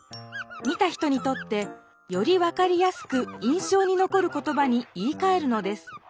見た人にとってより分かりやすく印象にのこる言葉に言いかえるのです。